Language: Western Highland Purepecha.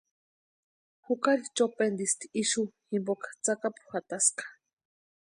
Jukari chopentisti ixu jimpoka tsakapu jataska.